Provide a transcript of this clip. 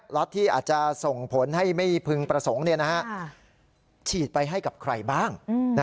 ล็อตที่อาจจะส่งผลให้ไม่พึงประสงค์ฉีดไปให้กับใครบ้าง